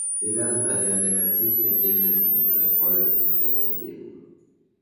Wir werden daher dem erzielten Ergebnis unsere volle Zustimmung geben.